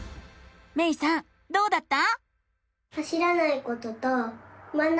めいさんどうだった？